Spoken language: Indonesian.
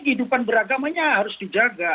kehidupan beragamanya harus dijaga